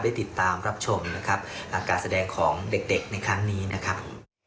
ติดตามรับชมนะครับการแสดงของเด็กในครั้งนี้นะครับ